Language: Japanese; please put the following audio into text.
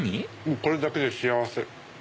これだけで幸せ！